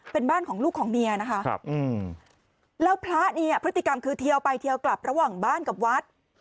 เป็นบ้านของลูกของเมียนะคะแล้วพระเนี่ยพฤติกรรมคือเทียวไปเทียวกลับระหว่างบ้านกับวัด